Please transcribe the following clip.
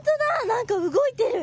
何か動いてる！